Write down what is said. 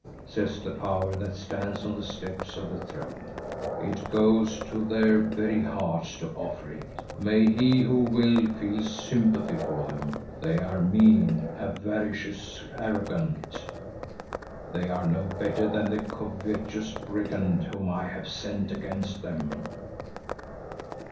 says the power that stands on the steps of the throne. "It goes to their very hearts to offer it. May he who will feel sympathy for them! They are mean, avaricious, arrogant. They are no better than the covetous brigand whom I have sent against them."